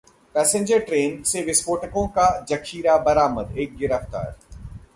passenger train से विस्फोटकों का जखीरा बरामद, एक गिरफ्तार